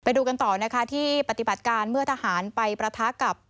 ดูกันต่อนะคะที่ปฏิบัติการเมื่อทหารไปประทะกับ